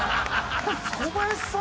小林さん